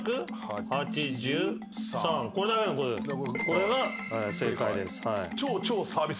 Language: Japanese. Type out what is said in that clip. これが正解です。